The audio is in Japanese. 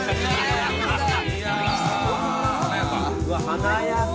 華やか。